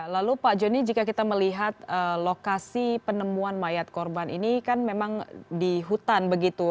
lalu pak joni jika kita melihat lokasi penemuan mayat korban ini kan memang di hutan begitu